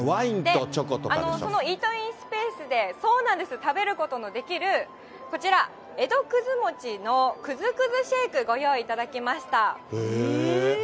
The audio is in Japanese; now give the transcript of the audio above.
このイートインスペースで食べることのできる、こちら江戸くず餅のクズクズシェイクご用意いただきました。